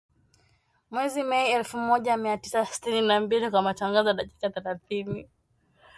Mwezi Mei elfu moja mia tisa sitini na mbili kwa matangazo ya dakika thelathini